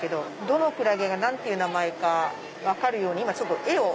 どのクラゲが何ていう名前か分かるように絵を。